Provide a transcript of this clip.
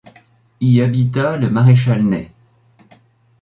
Y habita le maréchal Ney.